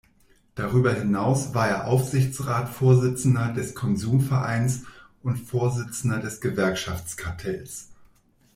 Darüber hinaus war er Aufsichtsratsvorsitzender des Konsumvereins und Vorsitzender des Gewerkschaftskartells.